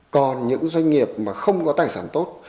còn những doanh nghiệp mà không có tài sản tốt